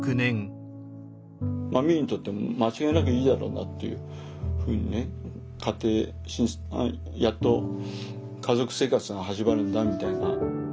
まあ美夢にとっても間違いなくいいだろうなっていうふうにね家庭やっと家族生活が始まるんだみたいな。